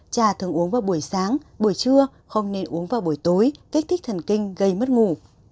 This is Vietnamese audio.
cha thường uống vào buổi sáng buổi trưa không nên uống vào buổi tối kích thích thần kinh gây mất ngủ